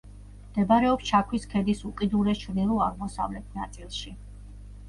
მდებარეობს ჩაქვის ქედის უკიდურეს ჩრდილო-აღმოსავლეთ ნაწილში.